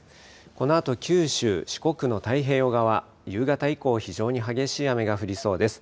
このあと九州、四国の太平洋側、夕方以降、非常に激しい雨が降りそうです。